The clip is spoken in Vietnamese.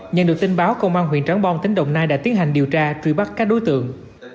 nhận được tin báo công an huyện trắng bom tỉnh đồng nai đã tiến hành điều tra truy bắt các đối tượng